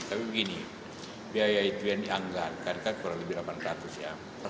tapi begini biaya itu yang dianggarkan kan kurang lebih delapan ratus ya